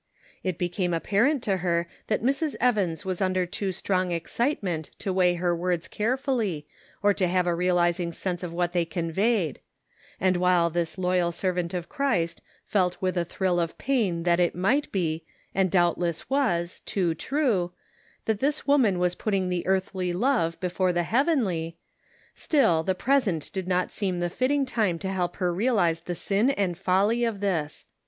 It became apparent to her that Mrs. Evans was under too strong excitement to weigh her words carefully, or to have a realizing sense of what they conveyed ; and while this loyal servant of Christ felt with a thrill of pain that it might be, and doubtless was, too true — that this woman was putting the earthly love before the heavenly — still, the present did not seem the fitting time to help her realize the sin and folly of this.